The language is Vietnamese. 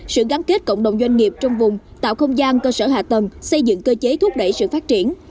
sự gắn kết cộng đồng doanh nghiệp trong vùng tạo không gian cơ sở hạ tầng xây dựng cơ chế thúc đẩy sự phát triển